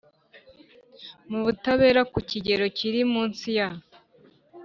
mu butabera ku kigero kiri munsi ya